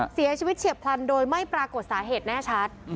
เฉียบพลันโดยไม่ปรากฏสาเหตุแน่ชัด